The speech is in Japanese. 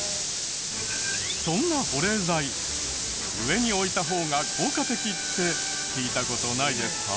そんな保冷剤上に置いた方が効果的って聞いた事ないですか？